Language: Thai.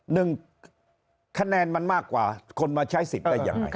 หนึ่งคะแนนมันมากกว่าคนมาใช้สิทธิ์ได้ยังไง